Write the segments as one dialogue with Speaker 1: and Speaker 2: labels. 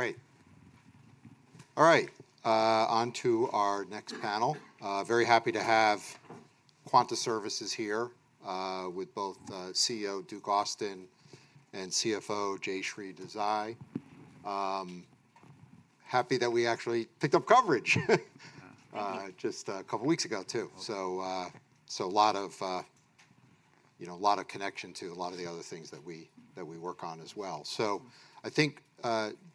Speaker 1: Okay, great. All right, on to our next panel. Very happy to have Quanta Services here, with both, CEO Duke Austin and CFO Jayshree Desai. Happy that we actually picked up coverage, just a couple weeks ago, too. So, so a lot of, you know, a lot of connection to a lot of the other things that we, that we work on as well. So I think,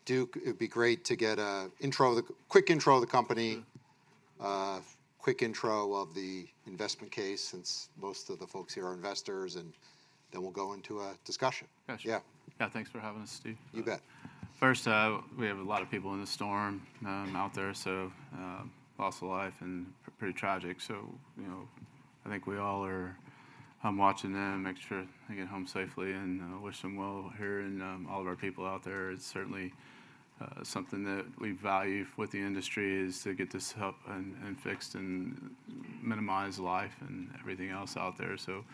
Speaker 1: Duke, it'd be great to get an intro, a quick intro of the company-
Speaker 2: Sure.
Speaker 1: Quick intro of the investment case, since most of the folks here are investors, and then we'll go into a discussion.
Speaker 2: Gotcha.
Speaker 1: Yeah.
Speaker 2: Yeah, thanks for having us, Steve.
Speaker 1: You bet.
Speaker 2: First, we have a lot of people in the storm out there, so, loss of life and pretty tragic. So, you know, I think we all are. I'm watching them, make sure they get home safely and, wish them well here and, all of our people out there. It's certainly something that we value with the industry, is to get this up and fixed and minimize life and everything else out there. So,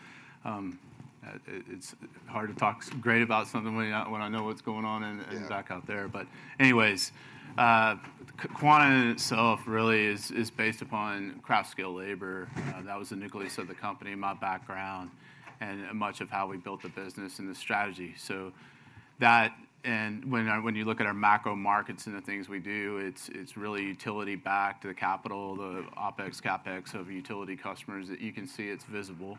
Speaker 2: it's hard to talk great about something when, when I know what's going on and, and- Yeah back out there. But anyways, Quanta in itself really is based upon craft skilled labor. That was the nucleus of the company, my background, and much of how we built the business and the strategy. So that, and when you look at our macro markets and the things we do, it's really utility back to the capital, the OpEx, CapEx of utility customers, that you can see it's visible.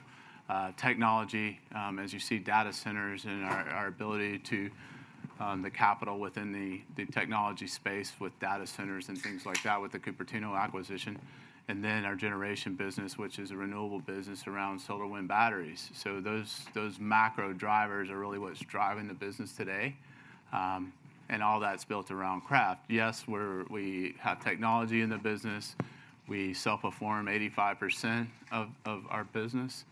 Speaker 2: Technology, as you see, data centers and our ability to, the capital within the technology space with data centers and things like that, with the Cupertino acquisition, and then our generation business, which is a renewable business around solar, wind batteries. So those macro drivers are really what's driving the business today. And all that's built around craft. Yes, we have technology in the business. We self-perform 85% of our business,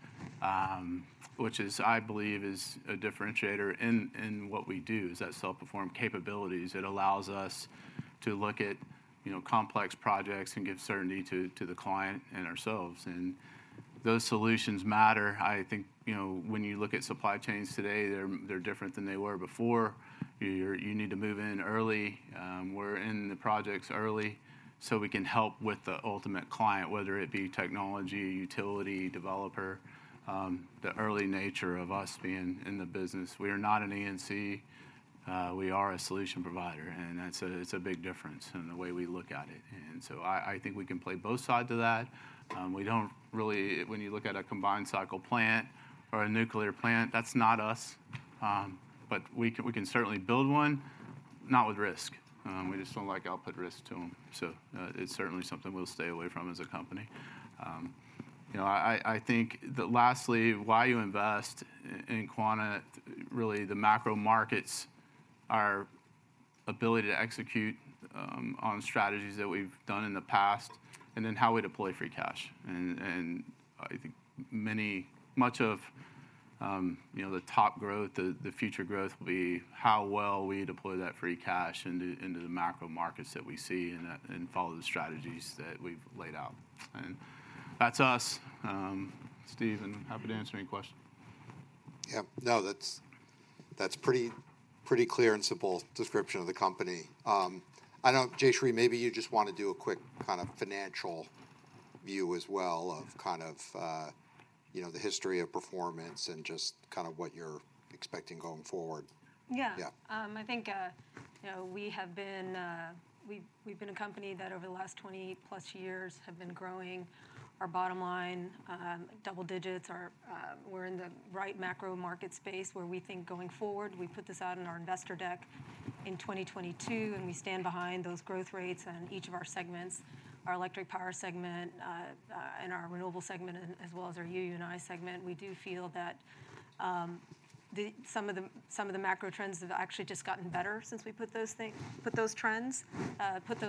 Speaker 2: which I believe is a differentiator in what we do, is that self-perform capabilities. It allows us to look at, you know, complex projects and give certainty to the client and ourselves. And those solutions matter. I think, you know, when you look at supply chains today, they're different than they were before. You need to move in early. We're in the projects early, so we can help with the ultimate client, whether it be technology, utility, developer, the early nature of us being in the business. We are not an E&C, we are a solution provider, and that's a, it's a big difference in the way we look at it. And so I think we can play both sides of that. We don't really. When you look at a combined cycle plant or a nuclear plant, that's not us. But we can certainly build one, not with risk. We just don't like output risk to them, so it's certainly something we'll stay away from as a company. You know, I think that lastly, why you invest in Quanta, really the macro markets, our ability to execute on strategies that we've done in the past, and then how we deploy free cash. And I think much of you know, the top growth, the future growth will be how well we deploy that free cash into the macro markets that we see and follow the strategies that we've laid out. And that's us, Steve, and happy to answer any questions.
Speaker 1: Yeah. No, that's pretty clear and simple description of the company. I know, Jayshree, maybe you just want to do a quick kind of financial view as well, of kind of, you know, the history of performance and just kind of what you're expecting going forward.
Speaker 3: Yeah.
Speaker 1: Yeah.
Speaker 3: I think, you know, we have been, we've been a company that over the last twenty-plus years have been growing our bottom line double digits. Our, we're in the right macro market space, where we think going forward, we put this out in our investor deck in 2022, and we stand behind those growth rates in each of our segments, our electric power segment, and our renewable segment, and as well as our UU&I segment. We do feel that some of the macro trends have actually just gotten better since we put those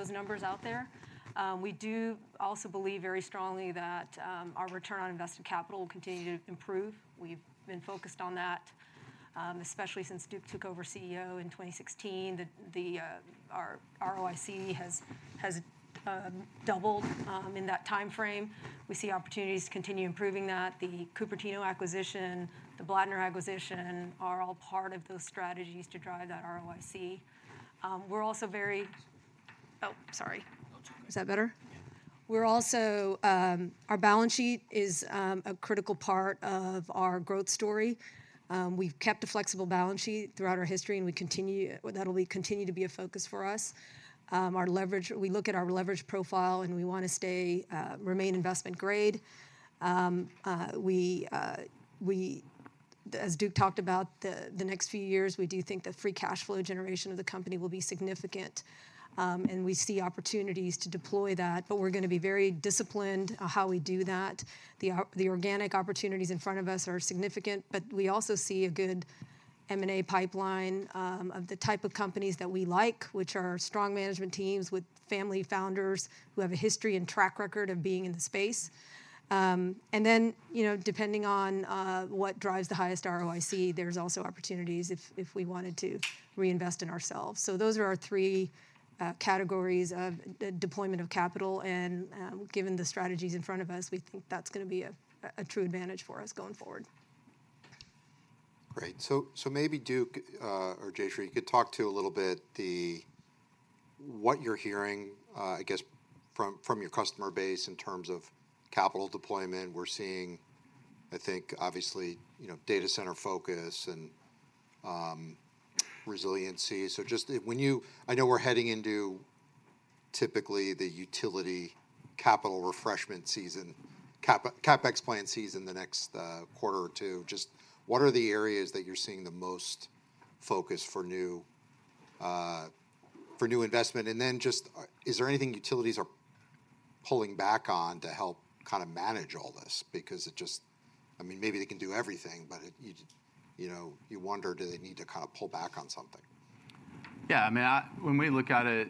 Speaker 3: numbers out there. We do also believe very strongly that our return on invested capital will continue to improve. We've been focused on that, especially since Duke took over CEO in 2016. Our ROIC has doubled in that time frame. We see opportunities to continue improving that. The Cupertino acquisition, the Blattner acquisition, are all part of those strategies to drive that ROIC. We're also very-- Oh, sorry.
Speaker 1: Oh, it's all right.
Speaker 3: Is that better?
Speaker 1: Yeah.
Speaker 3: We're also. Our balance sheet is a critical part of our growth story. We've kept a flexible balance sheet throughout our history, and that will continue to be a focus for us. Our leverage, we look at our leverage profile, and we want to remain investment grade. As Duke talked about, the next few years, we do think the free cash flow generation of the company will be significant, and we see opportunities to deploy that, but we're gonna be very disciplined how we do that. The organic opportunities in front of us are significant, but we also see a good M&A pipeline of the type of companies that we like, which are strong management teams with family founders, who have a history and track record of being in the space. And then, you know, depending on what drives the highest ROIC, there's also opportunities if we wanted to reinvest in ourselves. So those are our three categories of the deployment of capital, and given the strategies in front of us, we think that's gonna be a true advantage for us going forward.
Speaker 1: Great. So maybe Duke or Jayshree, you could talk to a little bit the, what you're hearing, I guess from your customer base in terms of capital deployment. We're seeing, I think, obviously, you know, data center focus and, resiliency. So just, I know we're heading into typically the utility capital refreshment season, CapEx plan season the next, quarter or two. Just what are the areas that you're seeing the most focus for new, for new investment? And then just, is there anything utilities are pulling back on to help kinda manage all this? Because it just. I mean, maybe they can do everything, but it, you know, you wonder, do they need to kind of pull back on something?
Speaker 2: Yeah, I mean, when we look at it,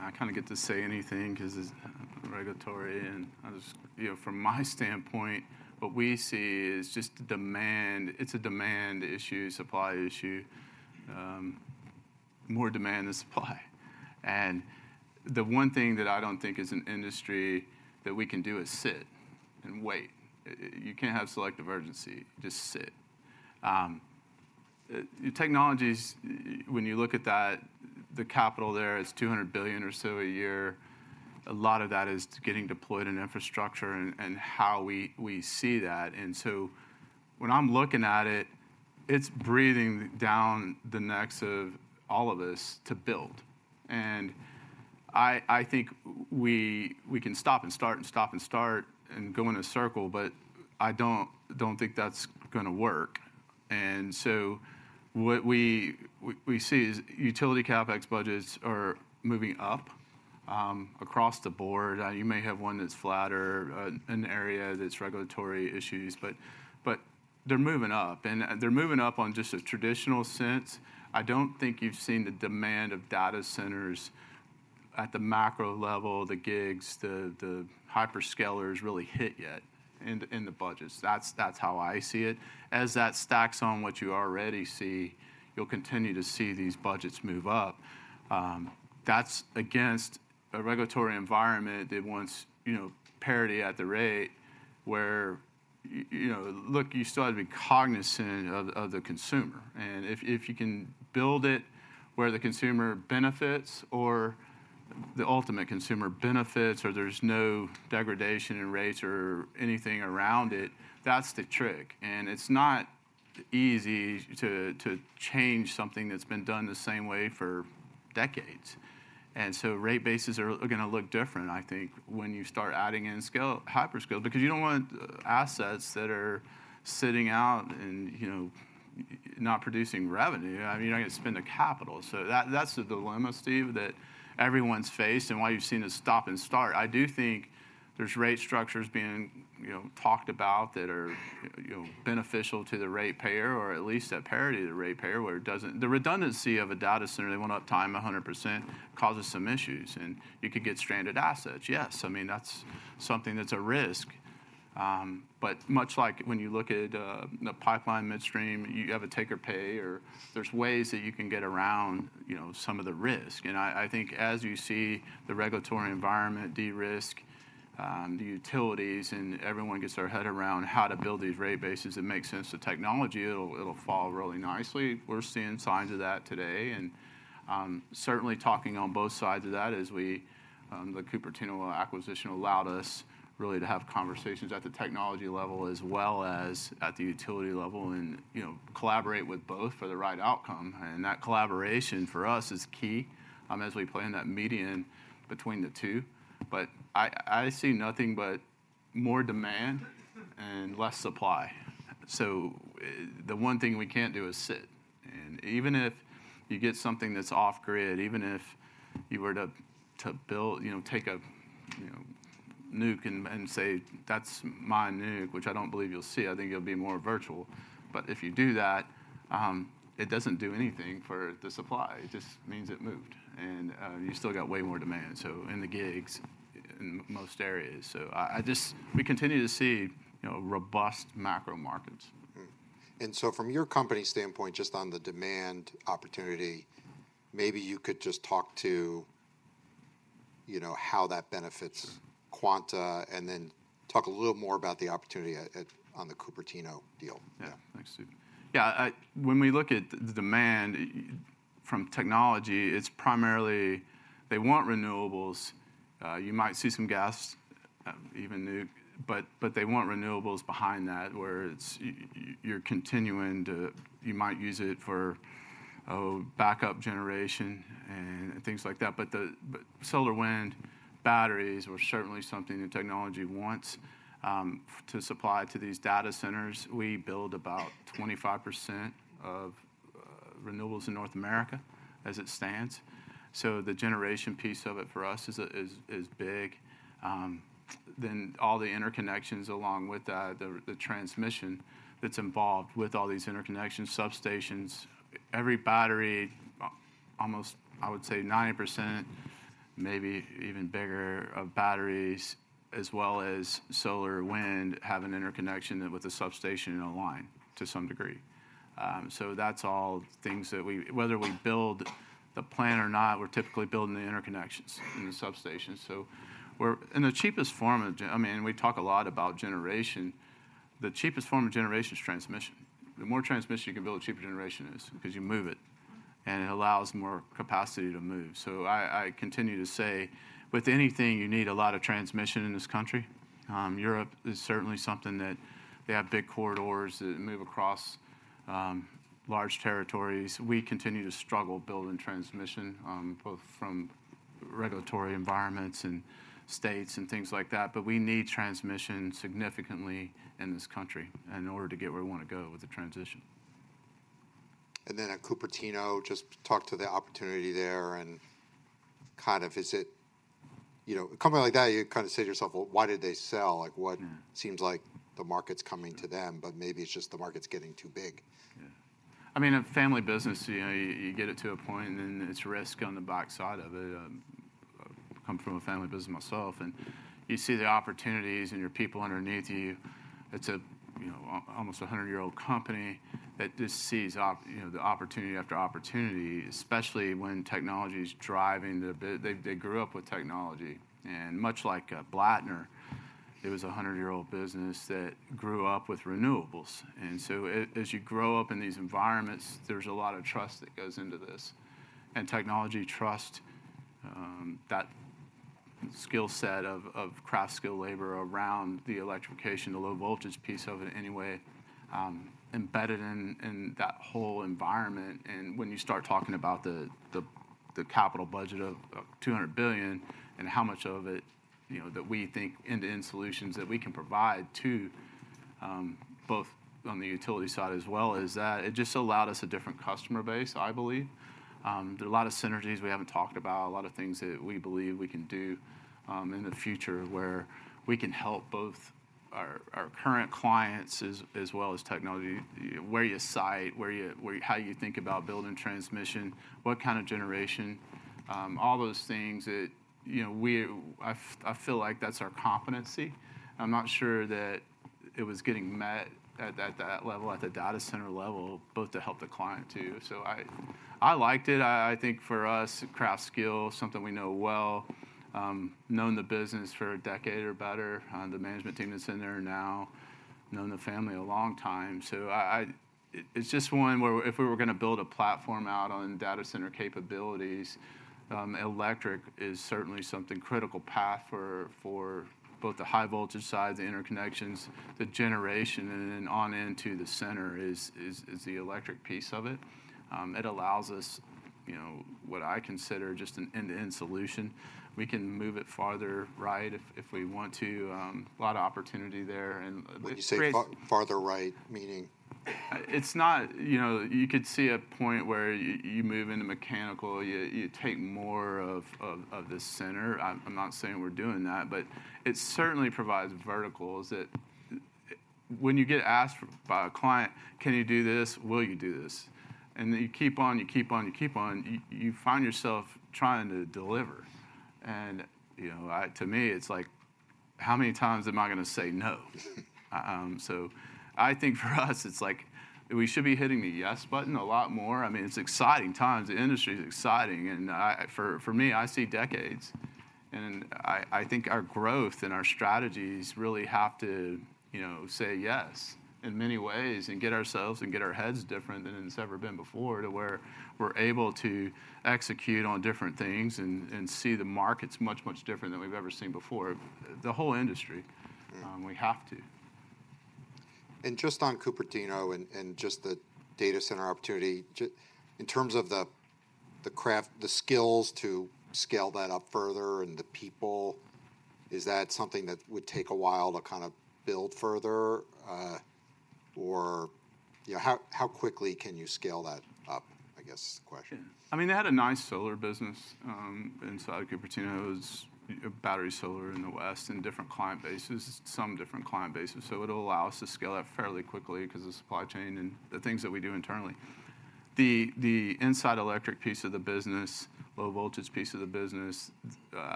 Speaker 2: I kinda get to say anything 'cause it's regulatory and I just. You know, from my standpoint, what we see is just the demand. It's a demand issue, supply issue. More demand than supply. And the one thing that I don't think as an industry that we can do is sit and wait. You can't have selective urgency, just sit. Technologies, when you look at that, the capital there is $200 billion or so a year. A lot of that is getting deployed in infrastructure and how we see that. And so when I'm looking at it, it's breathing down the necks of all of us to build, and I think we can stop and start, and stop and start, and go in a circle, but I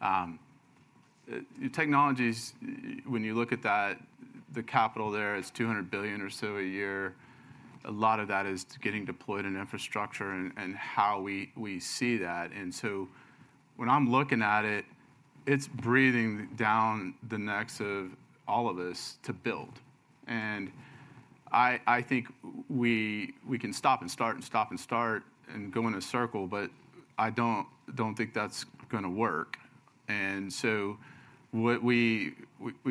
Speaker 2: don't think that's gonna work. And so what we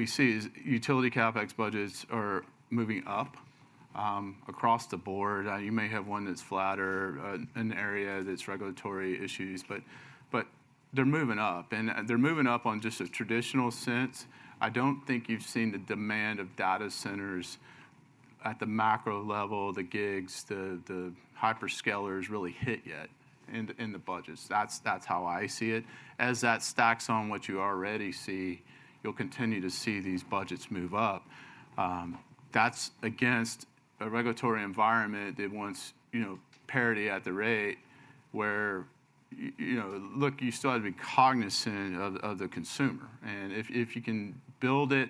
Speaker 2: see is utility CapEx budgets are moving up across the board. You may have one that's flatter, an area that's regulatory issues, but they're moving up, and they're moving up on just a traditional sense. I don't think you've seen the demand of data centers at the macro level, the gigs, the hyperscalers really hit yet in the budgets. That's how I see it. As that stacks on what you already see, you'll continue to see these budgets move up. That's against a regulatory environment that wants, you know, parity at the rate where you know, look, you still have to be cognizant of the consumer. And if you can build it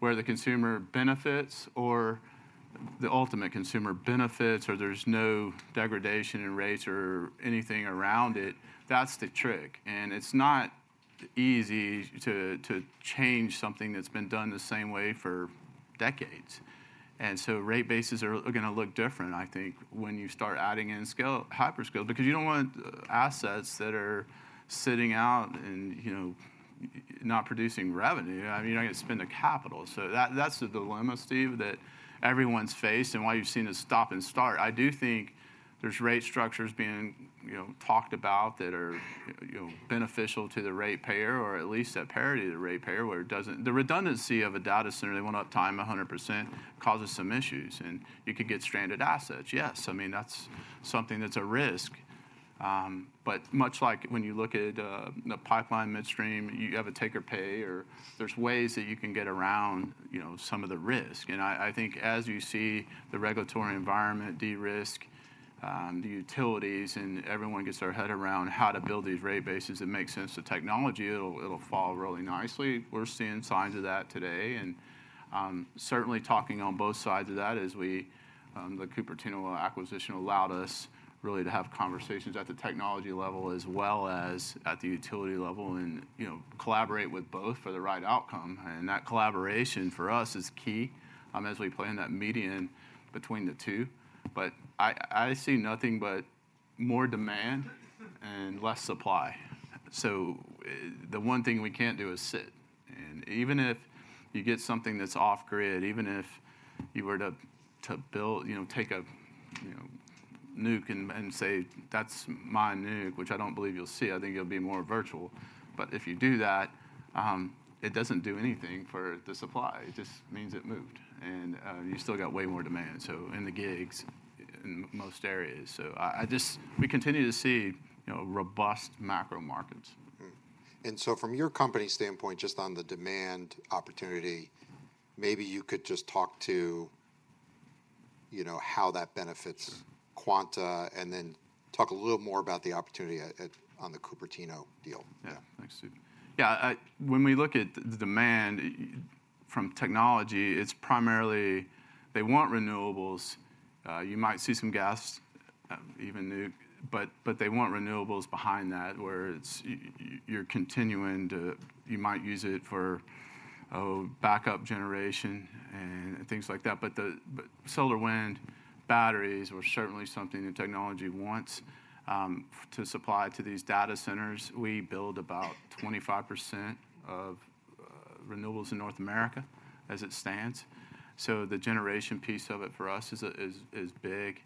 Speaker 2: where the consumer benefits, or the ultimate consumer benefits, or there's no degradation in rates or anything around it, that's the trick. And it's not easy to change something that's been done the same way for decades. And so rate bases are gonna look different, I think, when you start adding in scale, hyperscale, because you don't want assets that are sitting out and, you know, not producing revenue. I mean, you're not gonna spend the capital. So that, that's the dilemma, Steve, that everyone's faced and why you've seen a stop and start. I do think there's rate structures being, you know, talked about that are, you know, beneficial to the ratepayer, or at least that parity to the ratepayer, where it doesn't... The redundancy of a data center, they want uptime 100%, causes some issues, and you could get stranded assets. Yes, I mean, that's something that's a risk. But much like when you look at the pipeline midstream, you have a take or pay, or there's ways that you can get around, you know, some of the risk. And I think as you see the regulatory environment de-risk the utilities, and everyone gets their head around how to build these rate bases that make sense to technology, it'll fall really nicely. We're seeing signs of that today. And certainly talking on both sides of that as we. The Cupertino acquisition allowed us, really, to have conversations at the technology level as well as at the utility level, and, you know, collaborate with both for the right outcome. And that collaboration, for us, is key, as we play in that median between the two. But I see nothing but more demand and less supply, so, the one thing we can't do is sit. And even if you get something that's off grid, even if you were to build, you know, take a, you know, nuke and say, "That's my nuke" which I don't believe you'll see, I think it'll be more virtual. But if you do that, it doesn't do anything for the supply. It just means it moved, and, you still got way more demand, so in the gigs in most areas. We continue to see, you know, robust macro markets.
Speaker 1: And so from your company's standpoint, just on the demand opportunity, maybe you could just talk to, you know, how that benefits Quanta, and then talk a little more about the opportunity at on the Cupertino deal.
Speaker 2: Yeah. Thanks, Steve. Yeah, when we look at the demand from technology, it's primarily they want renewables. You might see some gas, even nuke, but, but they want renewables behind that, where it's you're continuing to. You might use it for, oh, backup generation and things like that. But the, but solar and wind, batteries are certainly something that technology wants, to supply to these data centers. We build about 25% of renewables in North America as it stands, so the generation piece of it for us is, is big.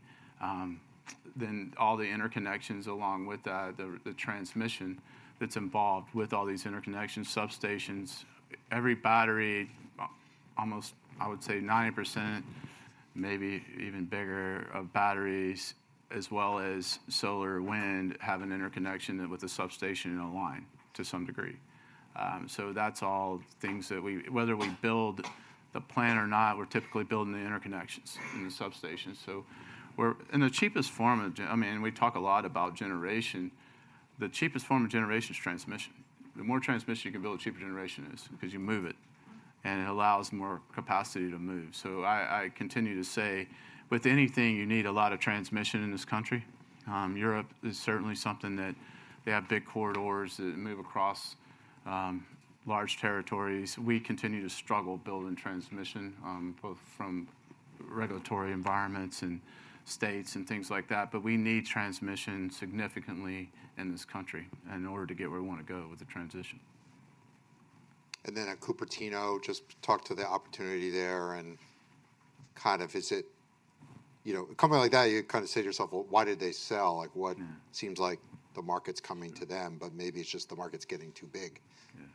Speaker 2: Then all the interconnections along with that, the transmission that's involved with all these interconnection substations, every battery, almost, I would say 90%, maybe even bigger, of batteries as well as solar and wind, have an interconnection with a substation and a line to some degree. That's all things that, whether we build the plant or not, we're typically building the interconnections in the substation. The cheapest form of generation, I mean, and we talk a lot about generation, the cheapest form of generation is transmission. The more transmission you can build, the cheaper generation is, because you move it, and it allows more capacity to move. I continue to say, with anything, you need a lot of transmission in this country. Europe is certainly something that they have big corridors that move across large territories. We continue to struggle building transmission, both from regulatory environments, and states, and things like that, but we need transmission significantly in this country in order to get where we wanna go with the transition.
Speaker 1: And then at Cupertino, just talk to the opportunity there, and kind of is it. You know, a company like that, you kind of say to yourself, "Well, why did they sell?". Like, what seems like the market's coming to them, but maybe it's just the market's getting too big.
Speaker 2: Yeah.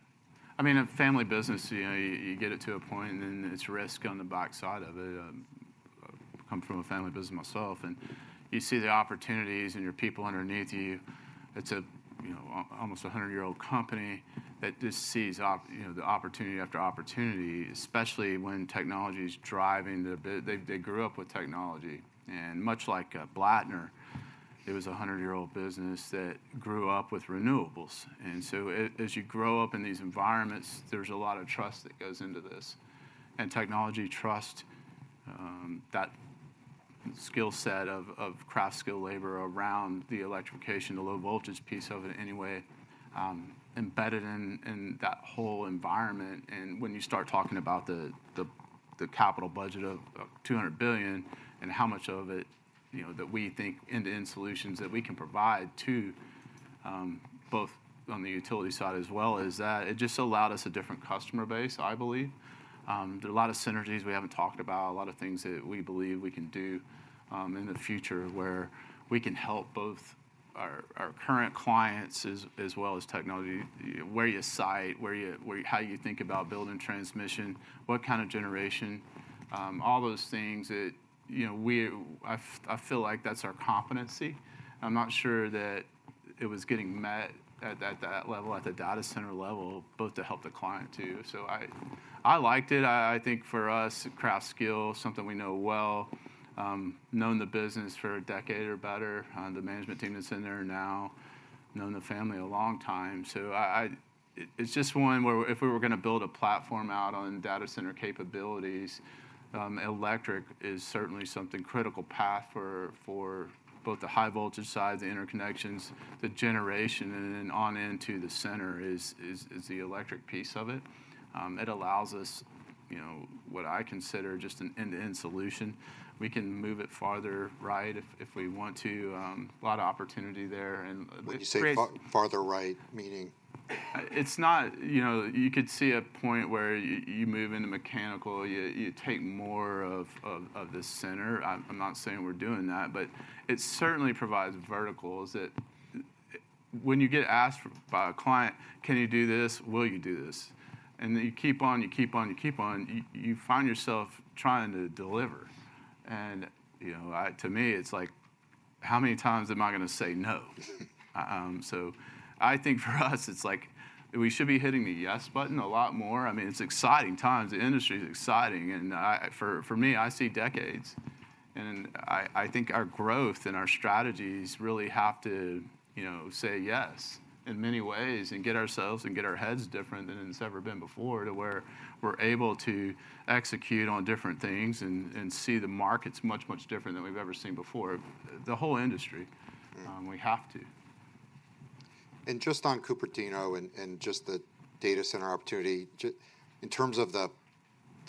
Speaker 2: I mean, a family business, you know, you get it to a point, and then it's risk on the back side of it. I come from a family business myself, and you see the opportunities and your people underneath you. It's a you know, almost 100-year-old company that just sees you know, the opportunity after opportunity, especially when technology's driving they grew up with technology. And much like, Blattner, it was a 100-year-old business that grew up with renewables. And so as you grow up in these environments, there's a lot of trust that goes into this. And technology trust, that skill set of craft skill labor around the electrification, the low-voltage piece of it anyway, embedded in that whole environment. And when you start talking about the capital budget of $200 billion, and how much of it, you know, that we think end-to-end solutions that we can provide to both on the utility side as well, is that it just allowed us a different customer base, I believe. There are a lot of synergies we haven't talked about, a lot of things that we believe we can do in the future, where we can help both our current clients, as well as technology. Where you site, where you. How you think about building transmission, what kind of generation, all those things that, you know, we. I feel like that's our competency. I'm not sure that it was getting met at that level, at the data center level, both to help the client, too. So I liked it. I think, for us, craft skill, something we know well. Known the business for a decade or better. The management team that's in there now, known the family a long time. So I. It's just one where if we were gonna build a platform out on data center capabilities, electric is certainly something critical path for both the high-voltage side, the interconnections, the generation, and then on into the center, is the electric piece of it. It allows us, you know, what I consider just an end-to-end solution. We can move it farther right if we want to. A lot of opportunity there, and-
Speaker 1: When you say farther right, meaning?
Speaker 2: It's not..ou know, you could see a point where you move into mechanical, you take more of the center. I'm not saying we're doing that, but it certainly provides verticals that when you get asked by a client: "Can you do this? Will you do this?" And then you keep on, you keep on, you keep on, you find yourself trying to deliver. And, you know, I. To me, it's like, how many times am I gonna say no? So I think for us, it's like, we should be hitting the yes button a lot more. I mean, it's exciting times. The industry's exciting, and for me, I see decades. I think our growth and our strategies really have to, you know, say yes in many ways, and get ourselves and get our heads different than it's ever been before, to where we're able to execute on different things, and see the markets much, much different than we've ever seen before. The whole industry- we have to.
Speaker 1: Just on Cupertino and just the data center opportunity, in terms of the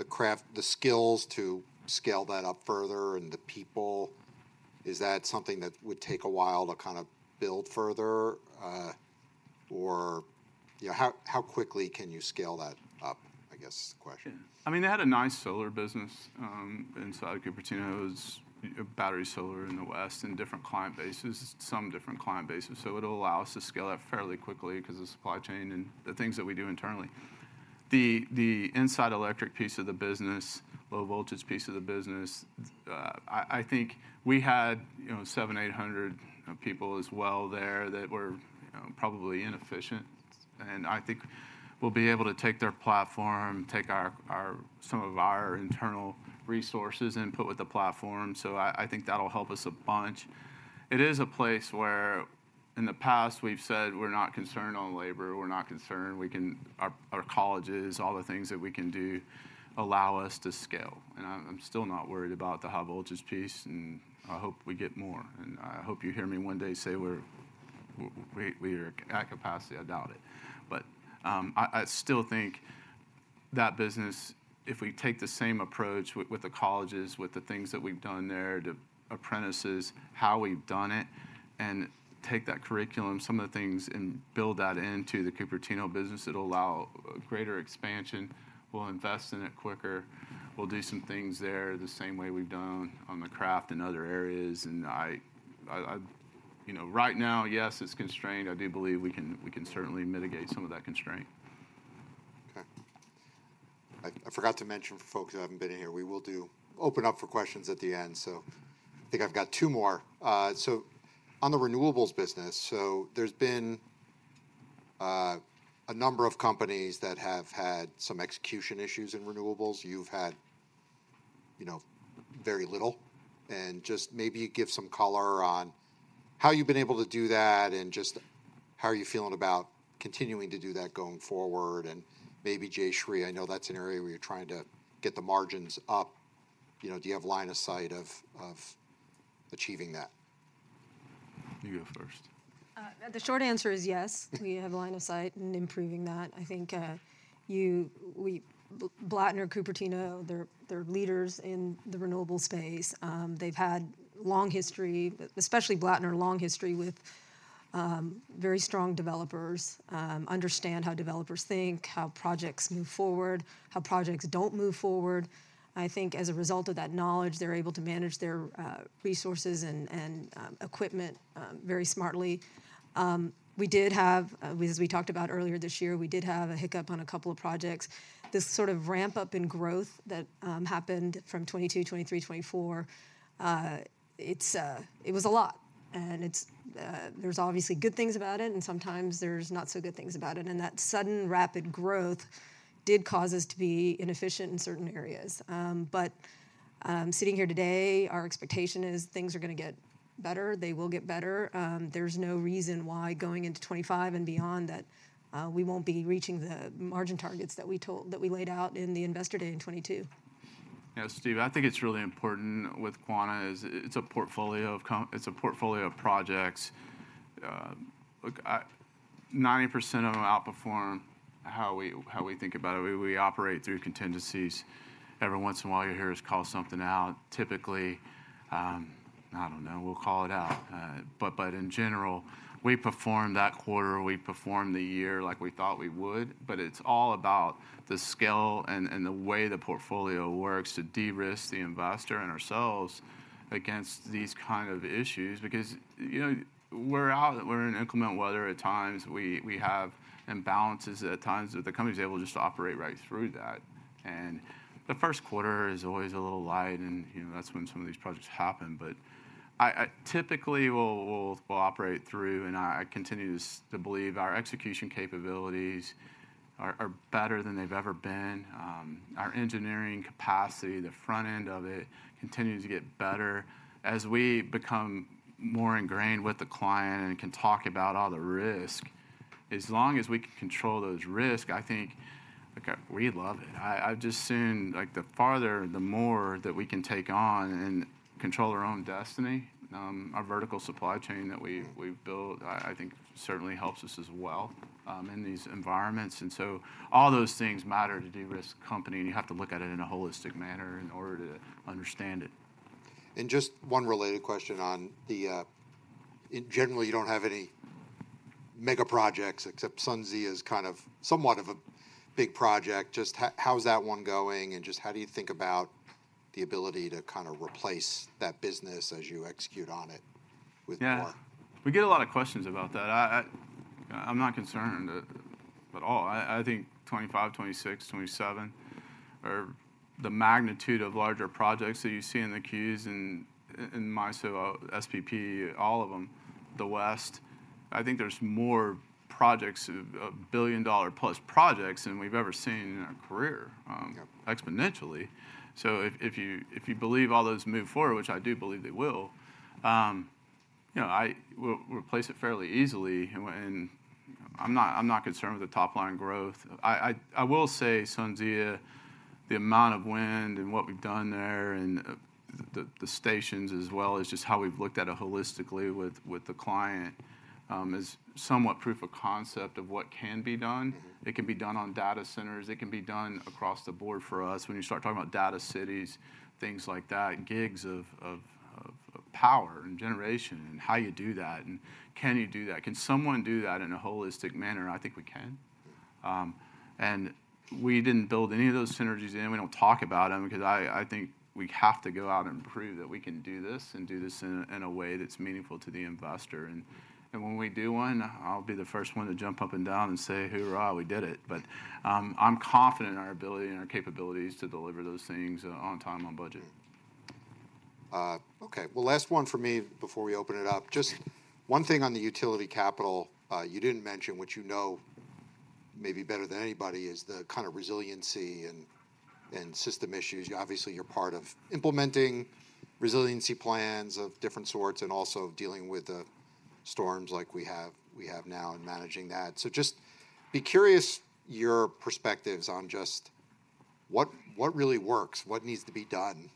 Speaker 1: craft, the skills to scale that up further, and the people, is that something that would take a while to kind of build further? Or, you know, how quickly can you scale that up, I guess, the question.
Speaker 2: Yeah. I mean, they had a nice solar business inside Cupertino. It was battery, solar in the West, and different client bases, some different client bases. So it'll allow us to scale up fairly quickly, 'cause of the supply chain and the things that we do internally. The inside electric piece of the business, low-voltage piece of the business, I think we had, you know, 700, 800 people as well there, that were, you know, probably inefficient, and I think we'll be able to take their platform, take our some of our internal resources and put with the platform. So I think that'll help us a bunch. It is a place where in the past we've said we're not concerned on labor, we're not concerned. We can. Our colleagues, all the things that we can do, allow us to scale. I'm still not worried about the high-voltage piece, and I hope we get more. I hope you hear me one day say we're at capacity. I doubt it. I still think that business, if we take the same approach with the colleges, with the things that we've done there, the apprentices, how we've done it, and take that curriculum, some of the things, and build that into the Cupertino business, it'll allow greater expansion. We'll invest in it quicker. We'll do some things there, the same way we've done on the craft in other areas. You know, right now, yes, it's constrained. I do believe we can certainly mitigate some of that constraint.
Speaker 1: I forgot to mention, for folks who haven't been in here, we will do, open up for questions at the end, so I think I've got two more. So on the renewables business, so there's been a number of companies that have had some execution issues in renewables. You've had, you know, very little, and just maybe you give some color on how you've been able to do that, and just how are you feeling about continuing to do that going forward? And maybe Jayshree, I know that's an area where you're trying to get the margins up. You know, do you have line of sight of, of achieving that?
Speaker 2: You go first.
Speaker 3: The short answer is yes, we have line of sight in improving that. I think, we, Blattner, Cupertino, they're leaders in the renewable space. They've had long history, especially Blattner, long history with very strong developers understand how developers think, how projects move forward, how projects don't move forward. I think as a result of that knowledge, they're able to manage their resources and equipment very smartly. We did have, as we talked about earlier this year, a hiccup on a couple of projects. This sort of ramp-up in growth that happened from 2022, 2023, 2024, it was a lot. And it's. There's obviously good things about it, and sometimes there's not so good things about it, and that sudden rapid growth did cause us to be inefficient in certain areas. But, sitting here today, our expectation is things are gonna get better. They will get better. There's no reason why going into 2025 and beyond that, we won't be reaching the margin targets that we told, that we laid out in the Investor Day in 2022.
Speaker 2: Yeah, Steve, I think it's really important with Quanta is it's a portfolio of... It's a portfolio of projects. Look, I, 90% of them outperform how we think about it. We operate through contingencies. Every once in a while, you'll hear us call something out. Typically, I don't know, we'll call it out. But in general, we performed that quarter, we performed the year like we thought we would, but it's all about the scale and the way the portfolio works to de-risk the investor and ourselves against these kind of issues. Because, you know, we're out, we're in inclement weather at times. We have imbalances at times, but the company's able just to operate right through that, and the first quarter is always a little light, and, you know, that's when some of these projects happen. I typically, we'll operate through, and I continue to believe our execution capabilities are better than they've ever been. Our engineering capacity, the front end of it, continues to get better as we become more ingrained with the client and can talk about all the risk. As long as we can control those risk, I think, look, we love it. I've just seen, like, the farther, the more that we can take on and control our own destiny, our vertical supply chain that we've built, I think certainly helps us as well, in these environments. And so all those things matter to de-risk company, and you have to look at it in a holistic manner in order to understand it.
Speaker 1: And just one related question on the. And generally, you don't have any mega projects, except SunZia is kind of somewhat of a big project. Just how's that one going, and just how do you think about the ability to kind of replace that business as you execute on it with more?
Speaker 2: Yeah. We get a lot of questions about that. I'm not concerned at all. I think 2025, 2026, 2027 are the magnitude of larger projects that you see in the queues in MISO, SPP, all of them, the West. I think there's more projects, $1 billion+ projects than we've ever seen in our career.
Speaker 1: Yep
Speaker 2: Exponentially. So if you believe all those move forward, which I do believe they will, you know, we'll replace it fairly easily, and I'm not concerned with the top line growth. I will say, SunZia, the amount of wind and what we've done there and the stations as well, is just how we've looked at it holistically with the client, is somewhat proof of concept of what can be done. It can be done on data centers, it can be done across the board for us. When you start talking about data centers, things like that, gigs of power and generation, and how you do that, and can you do that? Can someone do that in a holistic manner? I think we can. And we didn't build any of those synergies, and we don't talk about them because I think we have to go out and prove that we can do this, and do this in a way that's meaningful to the investor. And when we do one, I'll be the first one to jump up and down and say, "Hoorah, we did it!" But I'm confident in our ability and our capabilities to deliver those things on time, on budget.
Speaker 1: Okay, well, last one for me before we open it up. Just one thing on the utility capital, you didn't mention, which you know maybe better than anybody, is the kind of resiliency and system issues. Obviously, you're part of implementing resiliency plans of different sorts, and also dealing with the storms like we have now, and managing that. So just curious, your perspectives on just what really works, what needs to be done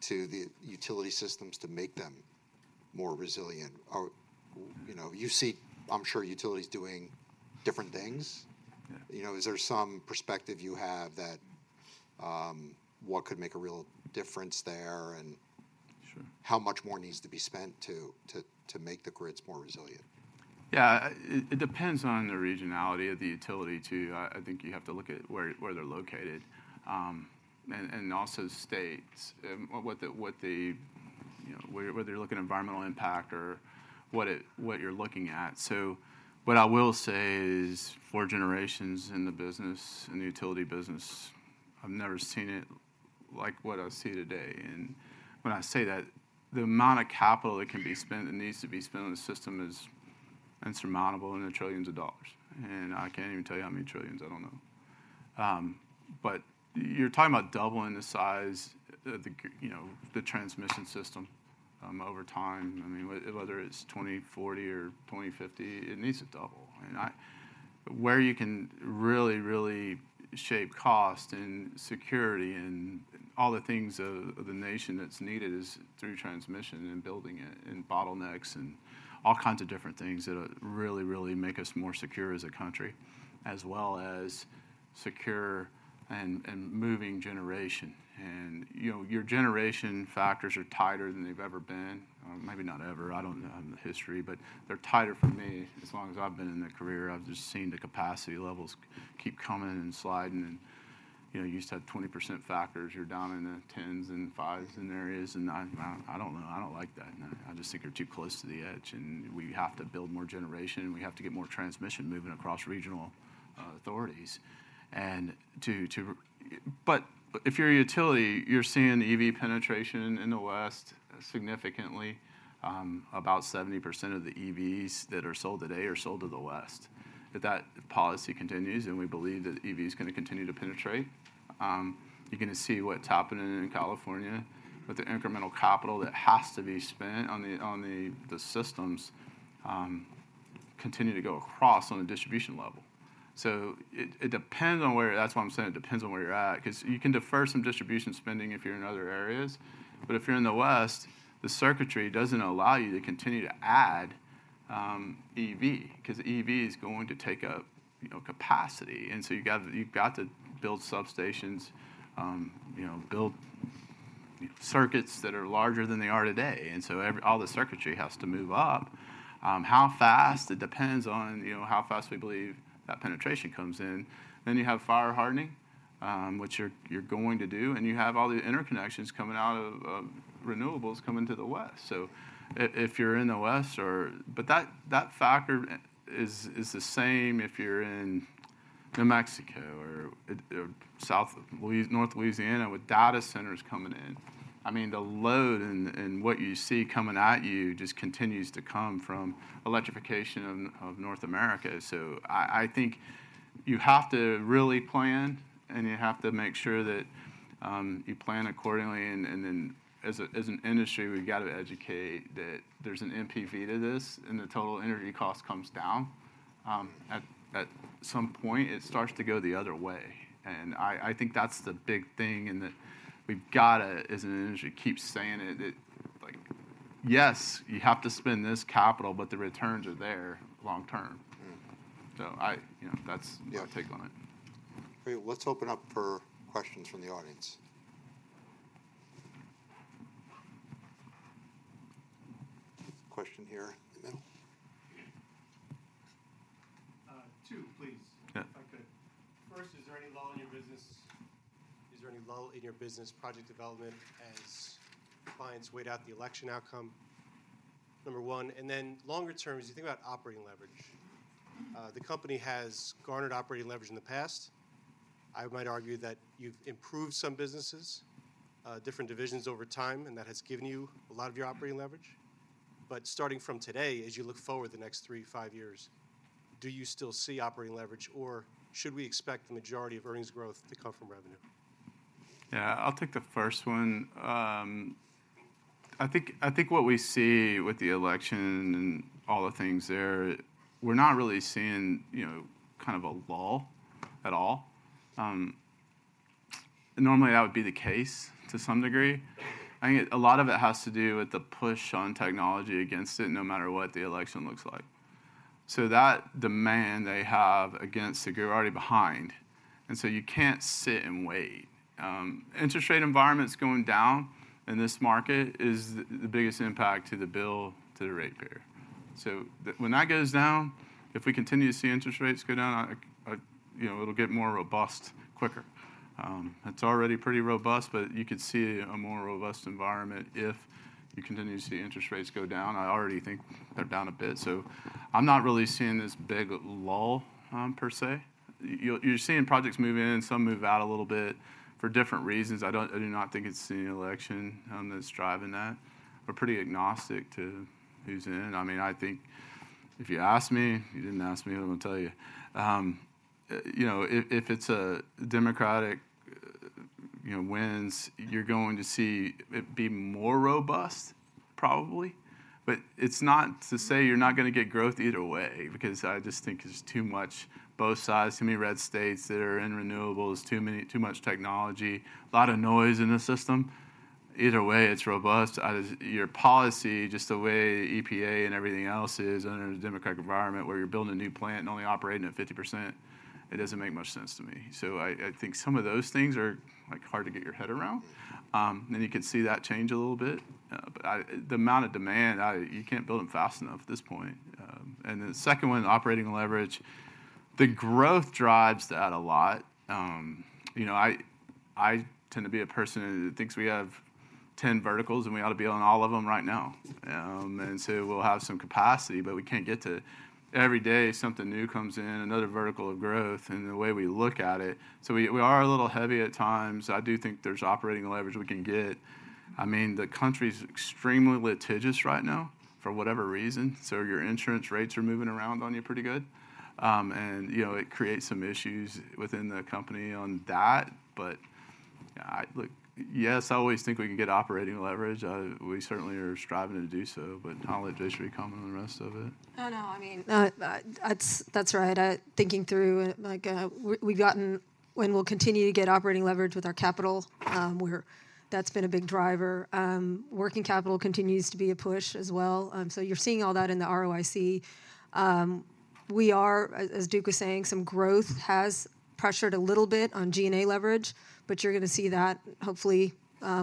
Speaker 1: to the utility systems to make them more resilient? Or, you know, you see, I'm sure, utilities doing different things.
Speaker 2: Yeah.
Speaker 1: You know, is there some perspective you have that, what could make a real difference there, and-
Speaker 2: Sure
Speaker 1: How much more needs to be spent to make the grids more resilient?
Speaker 2: Yeah, it depends on the regionality of the utility, too. I think you have to look at where they're located. And also states, what the, you know, whether you're looking at environmental impact or what you're looking at. So what I will say is, four generations in the business, in the utility business, I've never seen it like what I see today. And when I say that, the amount of capital that can be spent and needs to be spent on the system is insurmountable and in trillions of dollars. And I can't even tell you how many trillions, I don't know. But you're talking about doubling the size of the, you know, the transmission system over time. I mean, whether it's 2040 or 2050, it needs to double. And I. Where you can really, really shape cost and security and all the things of the nation that's needed is through transmission and building it, and bottlenecks, and all kinds of different things that'll really, really make us more secure as a country, as well as secure and moving generation. And, you know, your generation factors are tighter than they've ever been. Maybe not ever, I don't know the history, but they're tighter for me as long as I've been in the career. I've just seen the capacity levels keep coming and sliding and, you know, you used to have 20% factors, you're down in the tens and fives in areas, and I don't know, I don't like that. I just think we're too close to the edge, and we have to build more generation, and we have to get more transmission moving across regional authorities. But if you're a utility, you're seeing the EV penetration in the West significantly. About 70% of the EVs that are sold today are sold to the West. If that policy continues, and we believe that EV is going to continue to penetrate, you're gonna see what's happening in California, with the incremental capital that has to be spent on the systems continue to go across on a distribution level. So it depends on where. That's why I'm saying it depends on where you're at, 'cause you can defer some distribution spending if you're in other areas. But if you're in the West, the circuitry doesn't allow you to continue to add EV, 'cause EV is going to take up, you know, capacity. And so you've got to build substations, you know, build circuits that are larger than they are today. And so all the circuitry has to move up. How fast? It depends on, you know, how fast we believe that penetration comes in. Then you have fire hardening, which you're going to do, and you have all the interconnections coming out of renewables coming to the West. So if you're in the West or... But that factor is the same if you're in New Mexico or North Louisiana, with data centers coming in. I mean, the load and what you see coming at you just continues to come from electrification of North America. So I think you have to really plan, and you have to make sure that you plan accordingly, and then as an industry, we've got to educate that there's an NPV to this, and the total energy cost comes down. At some point, it starts to go the other way. I think that's the big thing, and that we've gotta, as an industry, keep saying it, that, like, yes, you have to spend this capital, but the returns are there long term.
Speaker 1: Mm-hmm.
Speaker 2: You know, that's-
Speaker 1: Yeah
Speaker 2: My take on it.
Speaker 1: Great. Let's open up for questions from the audience. Question here in the middle. Two, please.
Speaker 2: Yeah. If I could. First, is there any lull in your business? Is there any lull in your business project development as clients wait out the election outcome? Number one, and then longer term, as you think about operating leverage, the company has garnered operating leverage in the past. I might argue that you've improved some businesses, different divisions over time, and that has given you a lot of your operating leverage. But starting from today, as you look forward the next three to five years, do you still see operating leverage, or should we expect the majority of earnings growth to come from revenue? Yeah, I'll take the first one. I think what we see with the election and all the things there, we're not really seeing, you know, kind of a lull at all, and normally that would be the case to some degree. I think a lot of it has to do with the push on technology against it, no matter what the election looks like. So that demand they have against, they're already behind, and so you can't sit and wait. Interest rate environment's going down, and this market is the biggest impact to the bill, to the ratepayer. So when that goes down, if we continue to see interest rates go down, you know, it'll get more robust quicker. It's already pretty robust, but you could see a more robust environment if you continue to see interest rates go down. I already think they're down a bit, so I'm not really seeing this big lull, per se. You're seeing projects move in, some move out a little bit for different reasons. I don't, I do not think it's the election, that's driving that. We're pretty agnostic to who's in. I mean, I think if you asked me, you didn't ask me, I'm gonna tell you. You know, if it's a Democratic, you know, wins, you're going to see it be more robust, probably. But it's not to say you're not gonna get growth either way because I just think it's too much, both sides, too many red states that are in renewables, too much technology, a lot of noise in the system. Either way, it's robust. Your policy, just the way EPA and everything else is under a Democratic environment, where you're building a new plant and only operating at 50%, it doesn't make much sense to me, so I think some of those things are, like, hard to get your head around, then you could see that change a little bit, but the amount of demand, you can't build them fast enough at this point, and the second one, operating leverage. The growth drives that a lot. You know, I tend to be a person who thinks we have 10 verticals, and we ought to be on all of them right now, and so we'll have some capacity, but we can't get to every day, something new comes in, another vertical of growth, and the way we look at it. So we are a little heavy at times. I do think there's operating leverage we can get. I mean, the country's extremely litigious right now, for whatever reason, so your insurance rates are moving around on you pretty good, and you know, it creates some issues within the company on that. But look, yes, I always think we can get operating leverage. We certainly are striving to do so, but costs usually come in the rest of it.
Speaker 3: Oh, no, I mean, that's, that's right. Thinking through, like, we've gotten and we'll continue to get operating leverage with our capital. We're. That's been a big driver. Working capital continues to be a push as well. So you're seeing all that in the ROIC. We are, as Duke was saying, some growth has pressured a little bit on G&A leverage, but you're gonna see that hopefully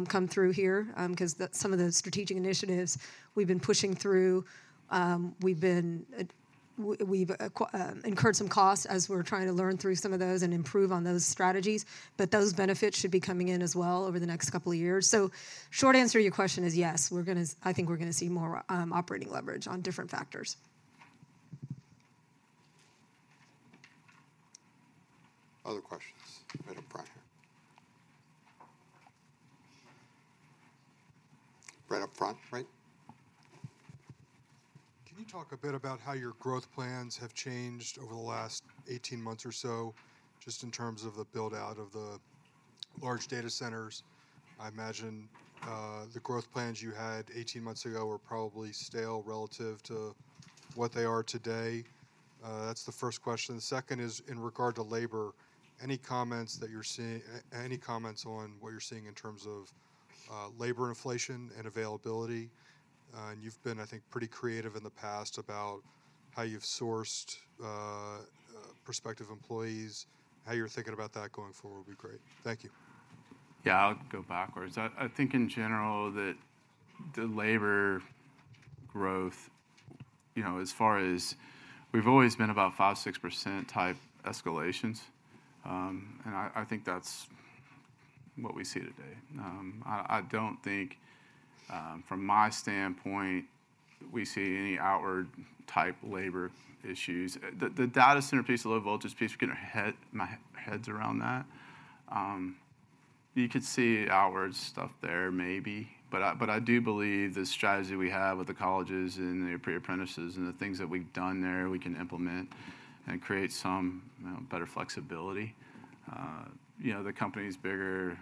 Speaker 3: come through here. 'Cause some of the strategic initiatives we've been pushing through, we've incurred some costs as we're trying to learn through some of those and improve on those strategies, but those benefits should be coming in as well over the next couple of years. Short answer to your question is, yes, we're gonna. I think we're gonna see more, operating leverage on different factors.
Speaker 1: Other questions? Right up front here. Right up front, right. Can you talk a bit about how your growth plans have changed over the last eighteen months or so, just in terms of the build-out of the large data centers? I imagine the growth plans you had eighteen months ago are probably stale relative to what they are today. That's the first question. The second is in regard to labor. Any comments on what you're seeing in terms of labor inflation and availability, and you've been, I think, pretty creative in the past about how you've sourced prospective employees? How you're thinking about that going forward would be great. Thank you.
Speaker 2: Yeah, I'll go backwards. I think in general that the labor growth, you know, as far as we've always been about 5%-6% type escalations, and I think that's what we see today. I don't think, from my standpoint, we see any outward type labor issues. The data center piece, the low voltage piece, getting our heads around that. You could see outward stuff there maybe, but I do believe the strategy we have with the colleges and the apprentices and the things that we've done there, we can implement and create some better flexibility. You know, the company's bigger.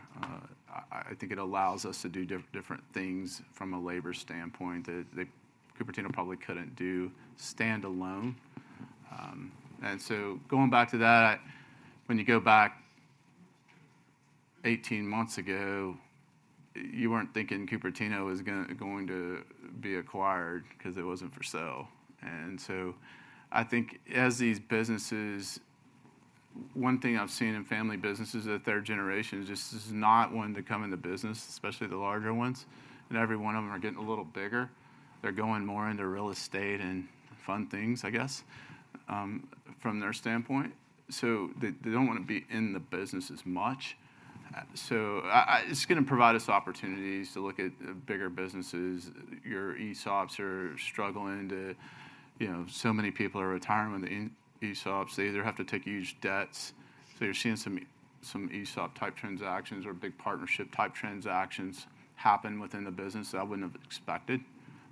Speaker 2: I think it allows us to do different things from a labor standpoint that Cupertino probably couldn't do standalone. And so going back to that, when you go back eighteen months ago, you weren't thinking Cupertino was gonna be acquired because it wasn't for sale. And so I think as these businesses. One thing I've seen in family business is that third generation just is not wanting to come into business, especially the larger ones, and every one of them are getting a little bigger. They're going more into real estate and fun things, I guess, from their standpoint. So they don't wanna be in the business as much. So I. It's gonna provide us opportunities to look at bigger businesses. Your ESOPs are struggling to, you know, so many people are retiring, when the ESOPs, they either have to take huge debts. So you're seeing some ESOP-type transactions or big partnership-type transactions happen within the business that I wouldn't have expected.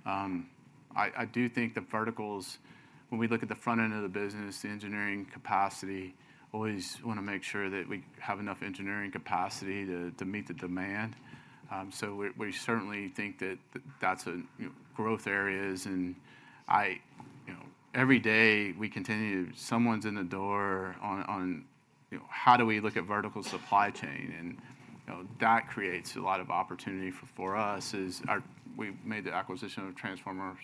Speaker 2: I do think the verticals, when we look at the front end of the business, the engineering capacity, always wanna make sure that we have enough engineering capacity to meet the demand. We certainly think that that's a, you know, growth areas. You know, every day, we continue to—someone's in the door on, you know, how do we look at vertical supply chain? And, you know, that creates a lot of opportunity for us. We made the acquisition of transformers.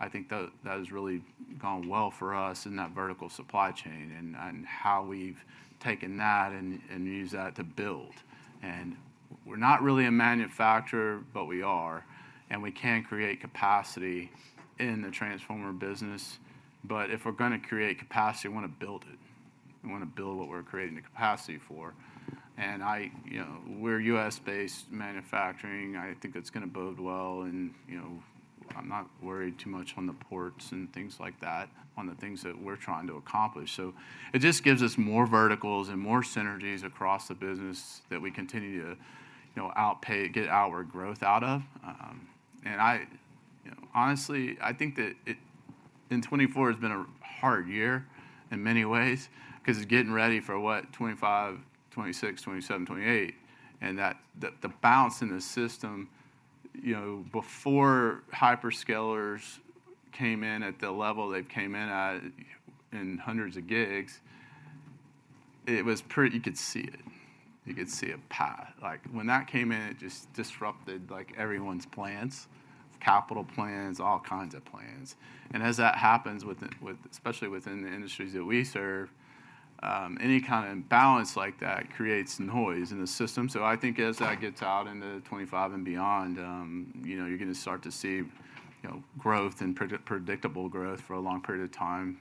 Speaker 2: I think that has really gone well for us in that vertical supply chain, and how we've taken that and used that to build. We're not really a manufacturer, but we are, and we can create capacity in the transformer business. But if we're gonna create capacity, we wanna build it. We wanna build what we're creating the capacity for. I, you know, we're U.S.-based manufacturing. I think it's gonna bode well, and, you know, I'm not worried too much on the ports and things like that, on the things that we're trying to accomplish. It just gives us more verticals and more synergies across the business that we continue to, you know, outpace, get our growth out of. And I. You know, honestly, I think that it, and 2024 has been a hard year in many ways 'cause it's getting ready for, what, 2025, 2026, 2027, 2028. And that, the bounce in the system, you know, before hyperscalers came in at the level they've came in at, in hundreds of gigs, it was pretty... You could see it. You could see a path. Like, when that came in, it just disrupted, like, everyone's plans, capital plans, all kinds of plans. And as that happens with especially within the industries that we serve- Any kind of imbalance like that creates noise in the system. So I think as that gets out into 2025 and beyond, you know, you're gonna start to see, you know, growth and predictable growth for a long period of time.